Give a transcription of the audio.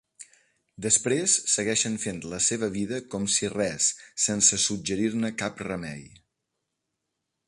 Després segueixen fent la seva vida com si res sense suggerir-ne cap remei.